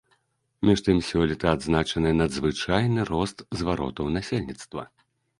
Між тым, сёлета адзначаны надзвычайны рост зваротаў насельніцтва.